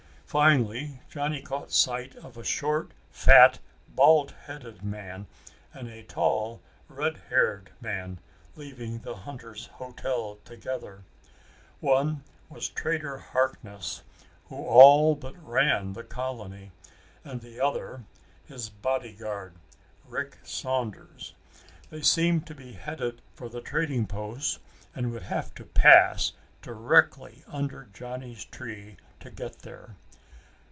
Finally Johnny caught sight of a short fat bald headed man and a tall redhaired man leaving the Hunters Hotel together. One was Trader Harkness, who all but ran the colony, and the other, his bodyguard, Rick Saunders. They seemed to be headed for the trading post and would have to pass directly under Johnny's tree to get there.